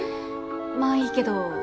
まあいいけど。